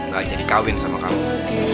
gak jadi kawin sama kamu